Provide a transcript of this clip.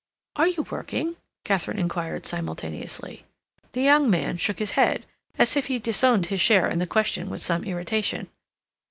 "Are you working?" Katharine inquired simultaneously. The young man shook his head, as if he disowned his share in the question with some irritation.